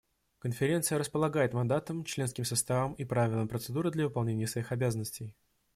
Конференция располагает мандатом, членским составом и правилами процедуры для выполнения своих обязанностей.